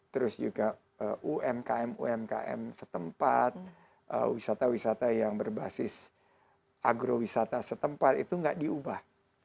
terus juga umkm umkm setempat wisata wisata yang berbasis agrowisata setempat itu nggak diubah